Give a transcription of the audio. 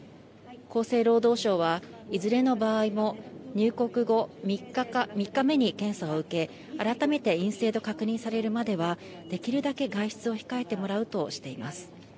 厚生労働省はいずれの場合も入国後３日目に検査を受け改めて陰性と確認されるまではできるだけ外出を控えてもらうとしています。